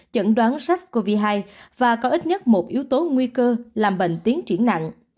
chẩn đoán sars cov hai và có ít nhất một yếu tố nguy cơ làm bệnh tiến triển nặng